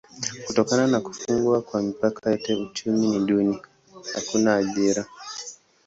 Kutokana na kufungwa kwa mipaka yote uchumi ni duni: hakuna ajira.